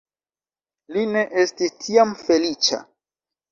Li ne estis tiam feliĉa.